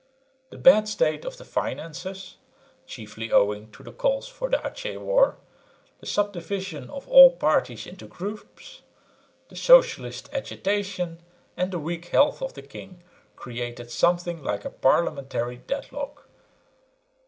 The bad state of the finances (chiefly owing to the calls for the Achin war) the subdivision of all parties into groups, the socialist agitation and the weak health of the king, created something like a parliamentary deadlock.